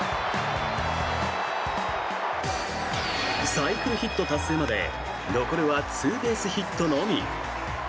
サイクルヒット達成まで残るはツーベースヒットのみ。